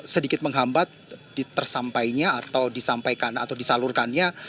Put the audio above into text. sedikit menghambat tersampainya atau disampaikan atau disalurkannya